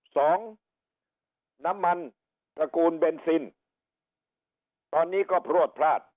น้ำมันตระกูลเบนซินตอนนี้ก็พลวดพลาด